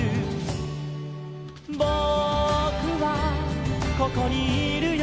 「ぼくはここにいるよ」